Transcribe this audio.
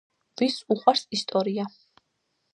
ვის უყვარს ისტორია.